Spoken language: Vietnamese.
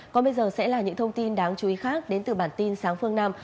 còn bây giờ sẽ là những thông tin đáng chú ý khác đến từ bản tin sáng phương nam